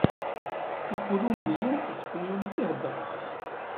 Ikulumbiyen d taspenyult i heddren.